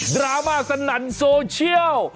ดราม่าสนั่นโซเชียล